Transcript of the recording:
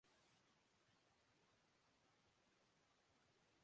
اس صورتحال میں تبدیلی ضرور آئی ہے۔